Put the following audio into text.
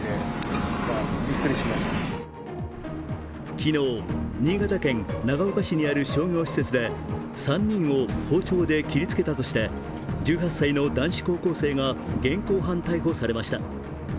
昨日、新潟県長岡市にある商業施設で３人を包丁で切りつけたとして１８歳の男子高校生が現行犯逮捕されました。